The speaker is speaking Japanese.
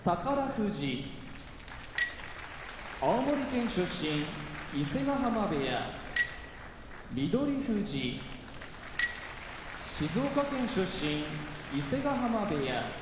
富士青森県出身伊勢ヶ濱部屋翠富士静岡県出身伊勢ヶ濱部屋明生